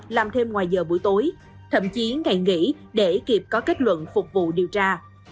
làm thêm ngoài giờ buổi tối thậm chí ngày nghỉ để kịp có kết luận phục vụ điều tra